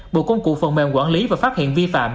bộ công cụ phần mềm quản lý và phát hiện vi phạm